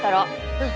うん。